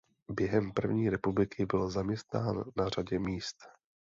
Během první republiky byl zaměstnán na řadě míst.